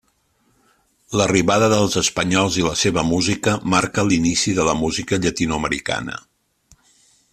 L'arribada dels espanyols i la seva música marca l'inici de la música llatinoamericana.